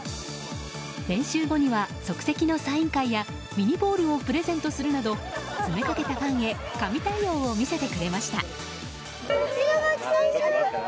練習後には即席のサイン会やミニボールをプレゼントするなど詰めかけたファンへ神対応を見せてくれました。